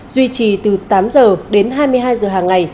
duy trì từ tám h đến hai mươi hai h hàng ngày